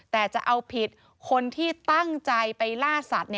แต่จะเอาผิดคนที่ตั้งใจไปล่าสัตว์